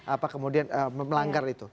apa kemudian melanggar itu